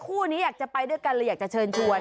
คู่นี้อยากจะไปด้วยกันเลยอยากจะเชิญชวน